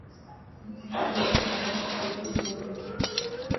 na nyota nyekundu kwenye tovuti za lengo